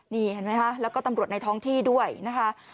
นี่เห็นไหมคะแล้วก็ตำรวจในท้องที่ด้วยนะคะ